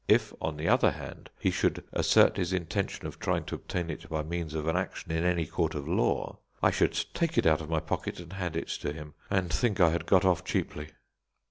If, on the other hand, he should assert his intention of trying to obtain it by means of an action in any court of law, I should take it out of my pocket and hand it to him, and think I had got off cheaply."